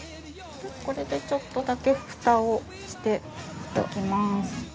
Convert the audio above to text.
これでちょっとだけ蓋をしておきます。